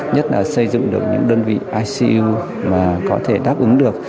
nhất là xây dựng được những đơn vị icu mà có thể đáp ứng được